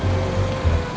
menilai diri sendiri